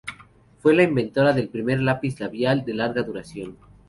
Fue la inventora del primer lápiz labial de larga duración.